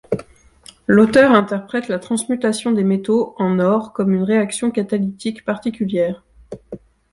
L'auteur interprète la transmutation des métaux en or comme une réaction catalytique particulière.